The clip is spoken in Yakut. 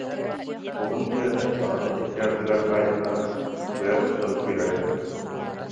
Уһун быаны баҕана икки ардыгар баайан баран быа устун сүүрэрэ үһү